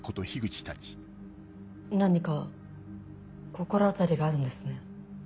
何か心当たりがあるんですね。